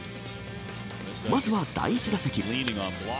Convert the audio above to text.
まずは第１打席。